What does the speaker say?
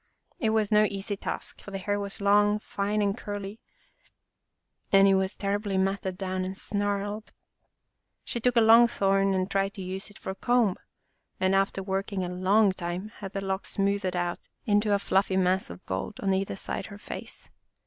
It was no easy task, for the hair was long, fine and curly, and it was terribly matted down and snarled. She took a long thorn and tried to use it for a comb, and after working a long time had the locks smoothed out into a fluffy mass of gold on either side her face.